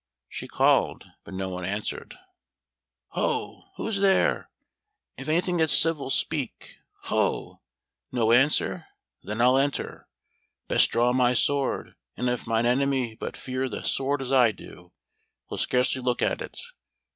She called, but no one answered. "Ho! Who's there? If anything that's civil, speak. Ho! No answer? Then I'll enter. Best draw my sword; and if mine enemy but fear the sword as I do, he'll scarcely look at it.